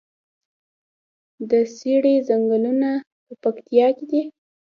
د څیړۍ ځنګلونه په پکتیا کې دي؟